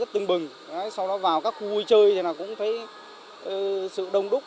tưng bừng sau đó vào các khu vui chơi thì cũng thấy sự đông đúc